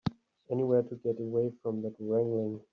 Anywhere to get away from that wrangling.